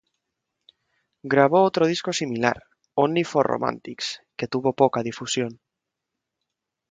Grabó otro disco similar, "Only for Romantics", que tuvo poca difusión.